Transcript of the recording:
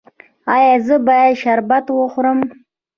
ایا زه باید شربت وخورم؟